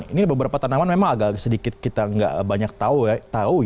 ini beberapa tanaman memang agak sedikit kita nggak banyak tahu ya